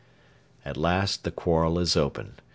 At last the quarrel is open.